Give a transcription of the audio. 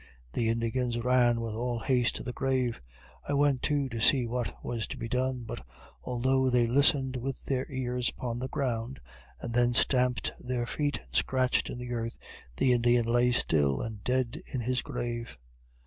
The Indians ran with all haste to the grave I went too to see what was to be done but although they listened with their ears upon the ground, and then stamped with their feet, and scratched in the earth, the Indian lay still and dead in his grave.